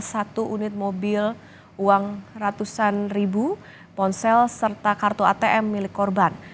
satu unit mobil uang ratusan ribu ponsel serta kartu atm milik korban